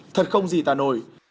thật không gì tà nổi